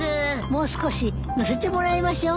もう少し乗せてもらいましょう。